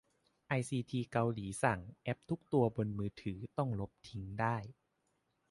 ไอซีทีเกาหลีใต้สั่ง แอปทุกตัวบนมือถือต้องลบทิ้งได้